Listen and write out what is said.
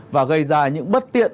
và gây ra những bất tiện